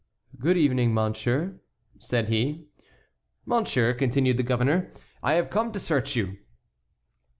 "Good evening, monsieur," said he. "Monsieur," continued the governor, "I have come to search you."